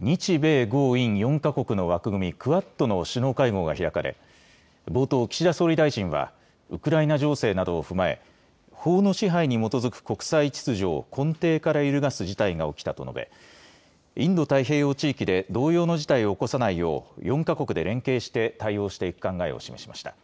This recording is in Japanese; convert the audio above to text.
日米豪印４か国の枠組み、クアッドの首脳会合が開かれ冒頭、岸田総理大臣はウクライナ情勢などを踏まえ法の支配に基づく国際秩序を根底から揺るがす事態が起きたと述べインド太平洋地域で同様の事態を起こさないよう４か国で連携して対応していく考えを示しました。